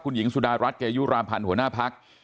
คุณหญิงสุดารัฐเกยุราพันธ์หัวหน้าพัก